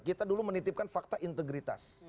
kita dulu menitipkan fakta integritas